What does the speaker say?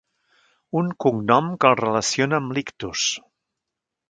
Un cognom que el relaciona amb l'Ictus.